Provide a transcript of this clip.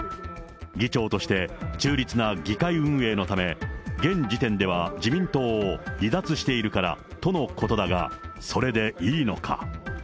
議長として中立な議会運営のため、現時点では自民党を離脱しているからとのことだが、それでいいのか。